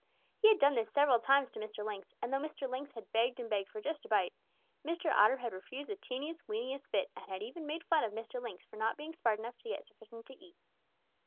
He had done this several times to Mr. Lynx, and though Mr. Lynx had begged and begged for just a bite, Mr. Otter had refused the teeniest, weeniest bit and had even made fun of Mr. Lynx for not being smart enough to get sufficient to eat.